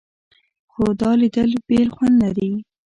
خو دا لیدل بېل خوند لري.